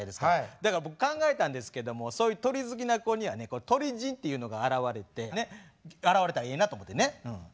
だから僕考えたんですけどもそういう鳥好きな子にはね鳥人っていうのが現われて現れたらいいなと思ってね。